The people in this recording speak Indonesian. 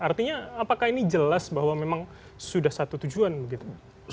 artinya apakah ini jelas bahwa memang sudah satu tujuan begitu